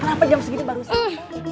kenapa jam segini barusan